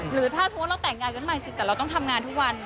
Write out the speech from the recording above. หรือถ้าสมมุติเราแต่งงานกันขึ้นมาจริงแต่เราต้องทำงานทุกวัน